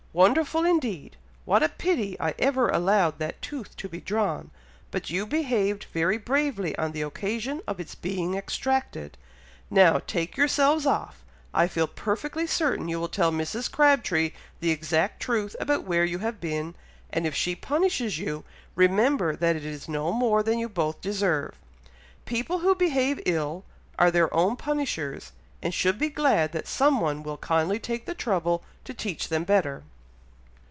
"Wonderful, indeed! what a pity I ever allowed that tooth to be drawn, but you behaved very bravely on the occasion of its being extracted. Now take yourselves off! I feel perfectly certain you will tell Mrs. Crabtree the exact truth about where you have been, and if she punishes you, remember that it is no more than you both deserve. People who behave ill are their own punishers, and should be glad that some one will kindly take the trouble to teach them better."